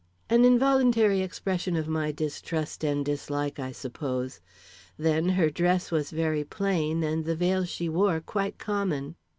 "An involuntary expression of my distrust and dislike I suppose. Then her dress was very plain, and the veil she wore quite common."